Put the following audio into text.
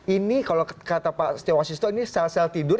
ini kalau kata pak setiawasisto ini sel sel tidur